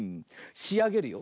しあげるよ。